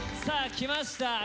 さあきました！